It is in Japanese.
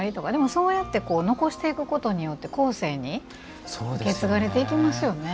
そうやって残していくことによって後世に受け継がれていきますよね。